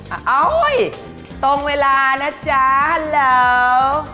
อ้าวตรงเวลาน่ะจ๊ะฮัลโหล